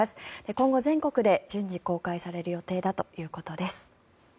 今後全国で順次公開される予定だということです。